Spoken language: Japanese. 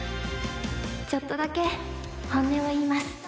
ちょっとだけ本音を言います。